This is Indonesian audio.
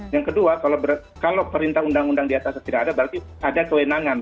yang kedua kalau perintah undang undang di atasnya tidak ada berarti ada kewenangan